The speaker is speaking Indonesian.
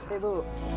terima kasih bu